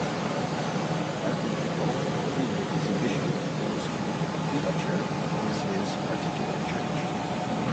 The archetypal prelate is a bishop, whose prelature is his particular church.